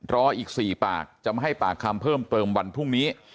รออีก๔ปากจะมาให้ปากคำเพิ่มเติมวันพรุ่งนี้